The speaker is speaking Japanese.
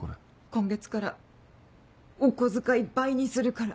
今月からお小遣い倍にするから。